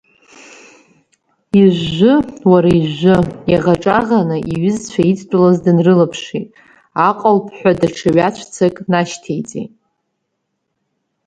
Ижәжәы, уара, ижәжәы, иаӷаҿаӷаны иҩызцәа идтәалаз дынрылаԥшит, аҟылԥҳәа даҽа ҩаҵәцак нашьҭеиҵеит.